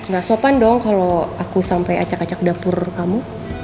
gak sopan dong kalau aku sampai acak acak dapur kamu